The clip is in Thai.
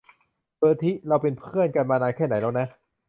เบอร์ทิ เราเป็นเพือนกันมานานแค่ไหนแล้วนะ ?